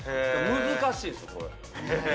難しいんですよこれ。